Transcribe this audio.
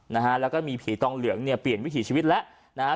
นะฮะแล้วก็มีผีตองเหลืองเนี่ยเปลี่ยนวิถีชีวิตแล้วนะฮะ